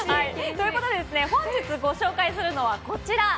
ということで、本日ご紹介するのはこちら。